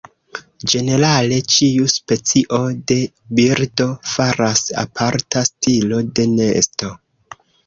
Ĝenerale, ĉiu specio de birdo faras aparta stilo de nesto.